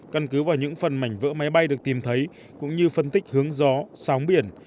căn cứ vào những phần mảnh vỡ máy bay được tìm thấy cũng như phân tích hướng gió sóng biển